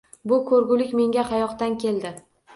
Bu ko‘rgulik menga qayoqdan keldi?